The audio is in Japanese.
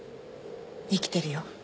生きてるよ。